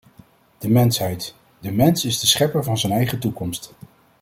De mensheid, de mens is de schepper van zijn eigen toekomst.